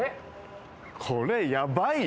これ、やばいよ！